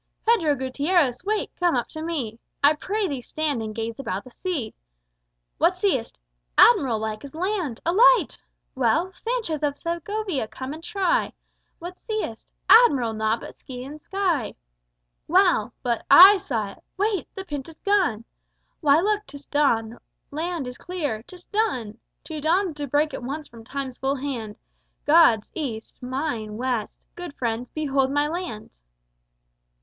Pedro Gutierrez, wake! come up to me. I prithee stand and gaze about the sea: What seest? Admiral, like as land a Light! Well! Sanchez of Segovia, come and try: What seest? Admiral, naught but sea and sky! Well! but I saw It. Wait! the Pinta's gun! Why, look, 'tis dawn, the land is clear: 'tis done! Two dawns do break at once from Time's full hand God's, East mine, West: good friends, behold my Land!"